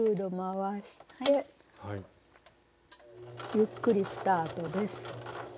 ゆっくりスタートです。